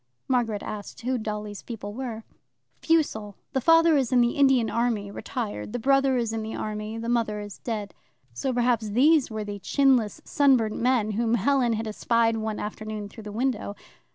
Margaret asked who Dolly's people were. "Fussell. The father is in the Indian army retired; the brother is in the army. The mother is dead." So perhaps these were the "chinless sunburnt men" whom Helen had espied one afternoon through the window.